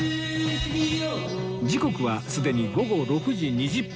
時刻はすでに午後６時２０分